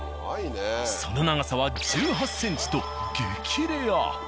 その長さは１８ｃｍと激レア。